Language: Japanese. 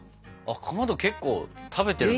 かまど結構食べてるんだ？